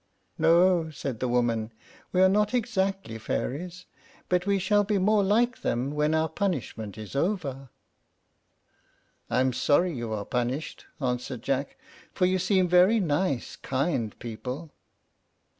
"No," said the woman; "we are not exactly fairies; but we shall be more like them when our punishment is over." "I am sorry you are punished," answered Jack, "for you seem very nice, kind people."